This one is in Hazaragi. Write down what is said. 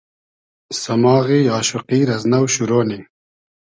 سئماغی آشوقی رئز نۆ شورۉ نی